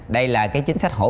đây là cái chính sách hỗ trợ